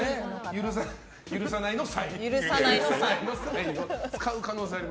許さないのサイン。